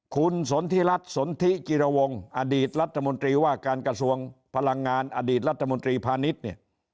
คุณสนทิรัฐสนทิจิรวงอดีตรัฐมนตรีว่าการกระทรวงพลังงานอดีตรัฐมนตรีพาณิชย์เนี่ย